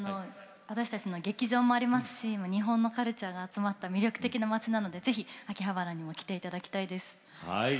私たちの劇場もありますし日本のカルチャーが集まった魅力的な街なのでぜひ、秋葉原にも来てほしいです。